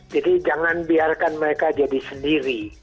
jadi jangan biarkan mereka jadi sendiri